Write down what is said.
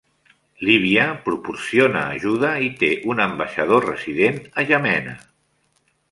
Líbia proporciona ajuda i té un ambaixador resident a N'Djamena.